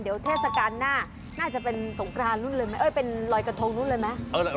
เดี๋ยวเทศกาลหน้าน่าจะเป็นสงกรานรุ่นเลยไหมเอ้ยเป็นรอยกระทงนู้นเลยไหม